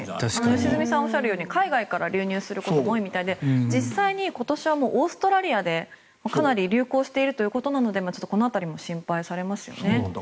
良純さんがおっしゃるように海外から流入することも多いみたいで実際に今年はオーストラリアでかなり流行しているということなのでこの辺りも心配されますね。